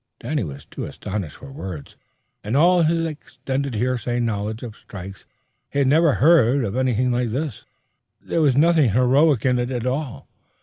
Danny was too astonished for words. In all his extended hearsay knowledge of strikes he never had heard of anything like this. There was nothing heroic in it at all.